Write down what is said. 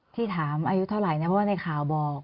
ที่ถามอายุเท่าไหร่นะเพราะว่าในข่าวบอก